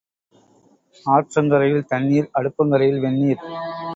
ஆற்றங்கரையில் தண்ணீர் அடுப்பங்கரையில் வெந்நீர்.